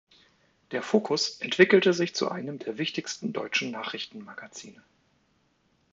Der Focus entwickelte sich zu einem der wichtigsten deutschen Nachrichtenmagazine.